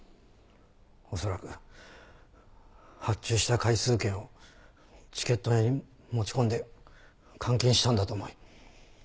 恐らく発注した回数券をチケット屋に持ち込んで換金したんだと思い